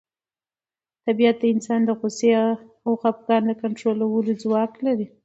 طبیعت د انسان د غوسې او خپګان د کنټرولولو ځواک لري.